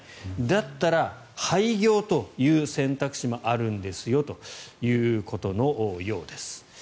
だったら廃業という選択肢もあるんですよということのようです。